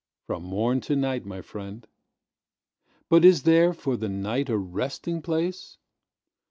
From morn to night, my friend. But is there for the night a resting place?